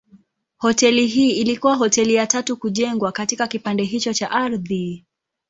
Hoteli hii ilikuwa hoteli ya tatu kujengwa katika kipande hicho cha ardhi.